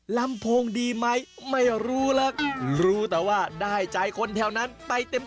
ลำโพงดีไหมไม่รู้แล้วรู้แต่ว่าได้ใจคนแถวนั้นไปเต็ม